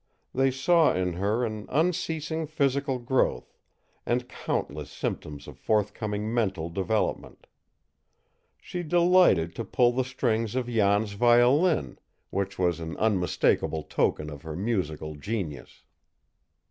They saw in her an unceasing physical growth, and countless symptoms of forthcoming mental development. She delighted to pull the strings of Jan's violin, which was an unmistakable token of her musical genius.